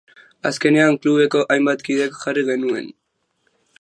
Azkenean klubeko hainbat kidek jarri genuen.